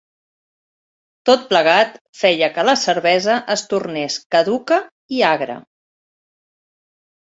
Tot plegat feia que la cervesa es tornés caduca i agra.